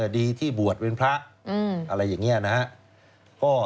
ดีที่บวชเป็นพระอะไรอย่างนี้นะครับ